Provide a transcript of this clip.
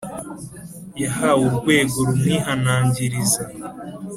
yahawe Urwego rumwihanangiriza